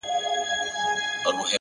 • مخ ته مي لاس راوړه چي ومي نه خوري؛